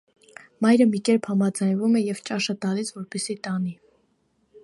Մայրը մի կերպ համաձայնվում է, և ճաշը տալիս է, որպեսզի տանի։